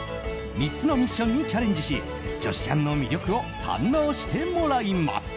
３つのミッションにチャレンジし女子キャンの魅力を堪能してもらいます。